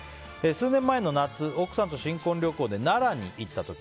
数年前の夏、奥さんと新婚旅行で奈良に行った時。